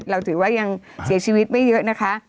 เราถือว่ายังเสียชีวิตไม่เยอะนะคะ